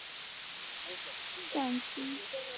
基阿卡湖水又向西流入亚伯特湖。